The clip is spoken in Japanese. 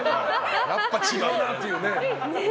やっぱ、違うなっていうね。